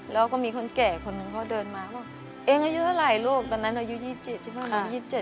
แล้วก็มีคนแก่คนหนึ่งเขาเดินมาบอกเองอายุเท่าไหร่ลูกตอนนั้นอายุ๒๗ใช่ไหม